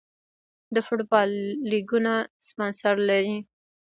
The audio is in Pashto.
د فوټبال لیګونه سپانسر لري